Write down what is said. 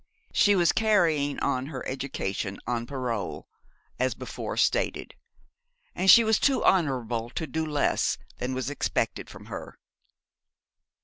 She was carrying on her education on parole, as before stated; and she was too honourable to do less than was expected from her.